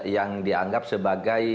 yang dianggap sebagai